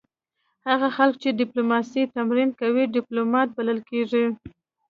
هغه خلک چې ډیپلوماسي تمرین کوي ډیپلومات بلل کیږي